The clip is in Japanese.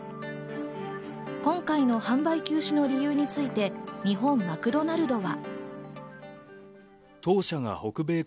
今回の販売休止の理由について日本マクドナルドは。